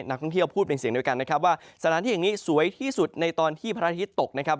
นักท่องเที่ยวพูดเป็นเสียงเดียวกันนะครับว่าสถานที่แห่งนี้สวยที่สุดในตอนที่พระอาทิตย์ตกนะครับ